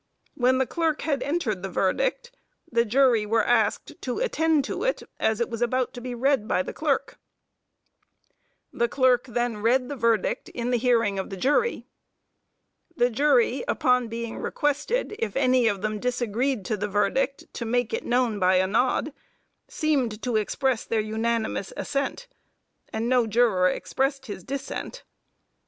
When the clerk had entered the verdict, the jury were asked to attend to it, as it was about to be read by the clerk. The clerk then read the verdict in the hearing of the jury. The jury, upon being requested, if any of them disagreed to the verdict to make, it known by a nod, seemed to express their unanimous assent; and no juror expressed his dissent."